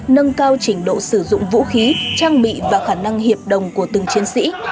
nâng cao trình độ sử dụng vũ khí trang bị và khả năng hiệp đồng của từng chiến sĩ